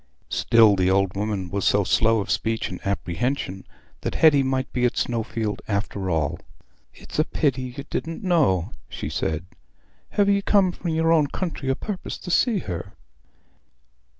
Still the old woman was so slow of speech and apprehension, that Hetty might be at Snowfield after all. "It's a pity ye didna know," she said. "Have ye come from your own country o' purpose to see her?"